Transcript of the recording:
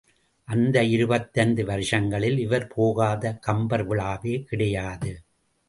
அந்த இருபத்தைந்து வருஷங்களில் இவர் போகாத கம்பர் விழாவே கிடையாது.